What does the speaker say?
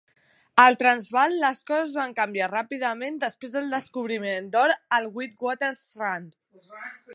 Al Transvaal, les coses van canviar ràpidament després del descobriment d'or al Witwatersrand.